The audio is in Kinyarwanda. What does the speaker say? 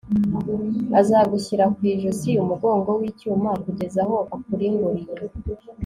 azagushyira ku ijosi umugogo w'icyuma kugeza aho akurimburiye